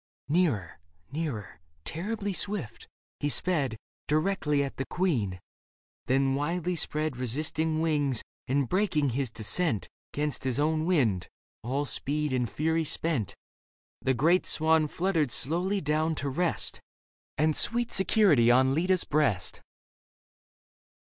Leda Nearer, nearer, terribly swift, he sped Directly at the queen ; then widely spread Resisting wings, and breaking his descent 'Gainst his own wind, all speed and fury spent, The great swan fluttered slowly down to rest And sweet security on Leda's breast.